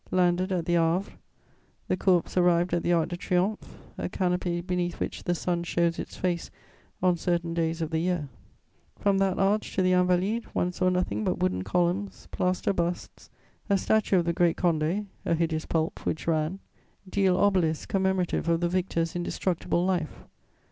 Landed at the Havre, the corpse arrived at the Arc de Triomphe, a canopy beneath which the sun shows its face on certain days of the year. From that arch to the Invalides, one saw nothing but wooden columns, plaster busts, a statue of the Great Condé (a hideous pulp which ran), deal obelisks commemorative of the victor's indestructible life.